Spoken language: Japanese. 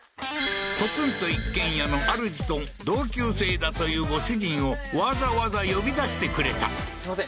ポツンと一軒家のあるじと同級生だというご主人をわざわざ呼び出してくれたすいません